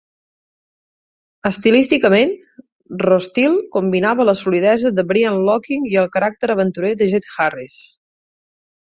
Estilísticament, Rostill combinava la solidesa de Brian Locking i el caràcter aventurer de Jet Harris.